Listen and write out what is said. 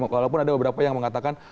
walaupun ada beberapa yang mengatakan